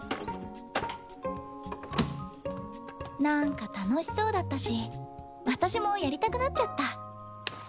なんか楽しそうだったし私もやりたくなっちゃった。